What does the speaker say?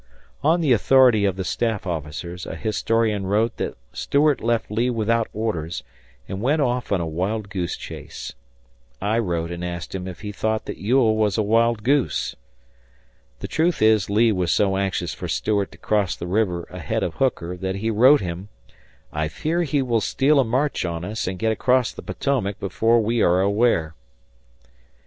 On the authority of the staff officers, a historian wrote that Stuart left Lee without orders and went off on a wild goose chase. I wrote and asked him if he thought that Ewell was a wild goose. The truth is Lee was so anxious for Stuart to cross the river ahead of Hooker that he wrote him, "I fear he will steal a march on us and get across the Potomac before we are aware."